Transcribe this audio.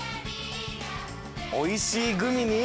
おいしいグミに？